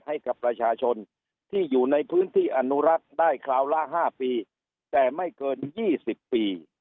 ให้กับประชาชนที่อยู่ในพื้นที่อนุรักษ์ได้คราวละ๕ปีแต่ไม่เกิน๒๐ปี